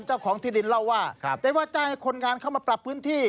เจ้าของที่ดินเล่าว่าได้ว่าจ้างให้คนงานเข้ามาปรับพื้นที่